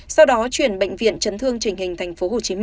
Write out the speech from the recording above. sau đó chuyển bệnh viện chấn thương trình hình tp hcm